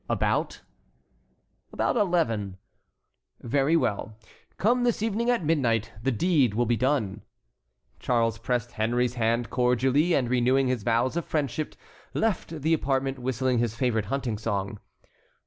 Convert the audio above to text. "About"— "About eleven." "Very well. Come this evening at midnight. The deed will be done." Charles pressed Henry's hand cordially, and renewing his vows of friendship, left the apartment, whistling his favorite hunting song.